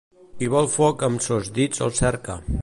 Qui vol foc amb sos dits el cerca.